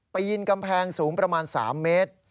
ปีนกำแพงสูงประมาณ๓เมตร